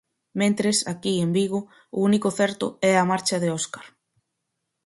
Mentres, aquí en Vigo, o único certo é a marcha de Óscar.